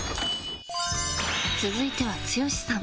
続いては剛さん。